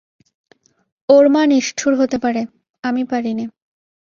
ওর মা নিষ্ঠুর হতে পারে, আমি পারি নে।